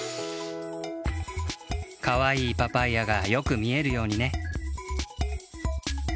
かわいいパパイアがよくみえるようにね。